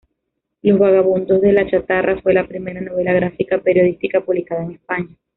Los vagabundos de la chatarra" fue la primera novela gráfica periodística publicada en España.